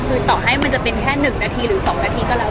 คือต่อให้มันจะเป็นแค่๑นาทีหรือ๒นาทีก็แล้ว